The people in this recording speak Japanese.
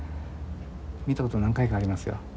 見たこと何回かありますよ。